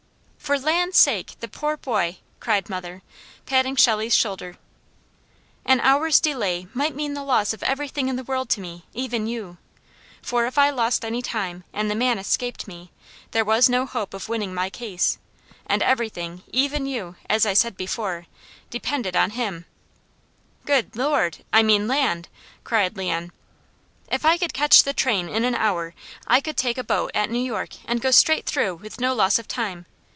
'" "For land's sake! The poor boy!" cried mother, patting Shelley's shoulder. "'An hour's delay might mean the loss of everything in the world to me, even you. For if I lost any time, and the man escaped me, there was no hope of winning my case, and everything, even you, as I said before, depended on him '" "Good Lord! I mean land!" cried Leon. "'If I could catch the train in an hour, I could take a boat at New York, and go straight through with no loss of time.